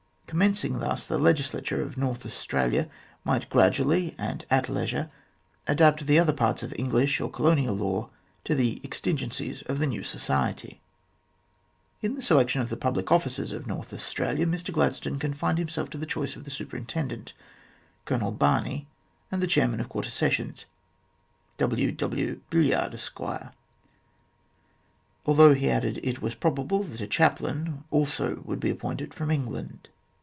Commencing thus, the legislature of North Australia might gradually, and at leisure, adapt the other parts of English or Colonial law to the exigencies of the new society. In the selection of the public officers of North Australia Mr Gladstone confined himself to the choice of the Superin tendent, Colonel Barney, and the Chairman of Quarter Sessions, W. W. Billyard, Esq., although, he added, it was probable that a chaplain also would be appointed from England.